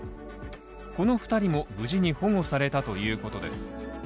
この２人も無事に保護されたということです